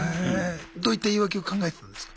どういった言い訳を考えてたんですか？